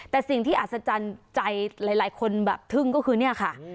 แต่สิ่งที่อัศจรรย์ใจหลายคนแบบทึ่งก็คือเนี่ยค่ะ